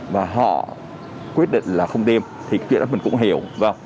và họ quyết định là không tiêm thì chuyện đó mình cũng hiểu